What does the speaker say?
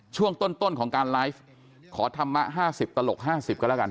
ช่วงต้นของการไลฟ์ขอธรรมะ๕๐ตลก๕๐ก็แล้วกัน